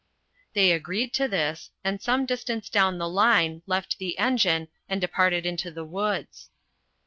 They agreed to this, and some distance down the line left the engine and departed into the woods.